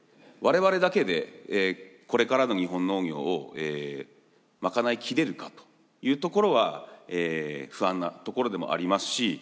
我々だけでこれからの日本農業を賄いきれるかというところは不安なところでもありますし